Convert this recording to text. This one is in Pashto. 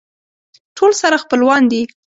ټول سره خپلوان دي.